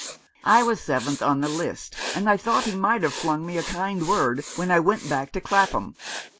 I was seventh on the list, and I thought he might have flung me a kind word when I went back to Clapham.